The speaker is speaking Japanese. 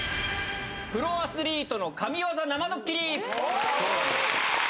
プロアスリートの神業生ドッ